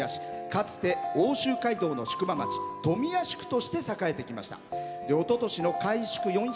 かつて、奥州街道の宿場町富谷宿として栄えてきましたおととしの開塾